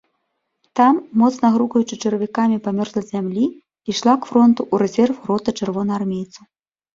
Там, моцна грукаючы чаравікамі па мёрзлай зямлі, ішла к фронту ў рэзерв рота чырвонаармейцаў.